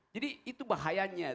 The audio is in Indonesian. jadi itu bahayanya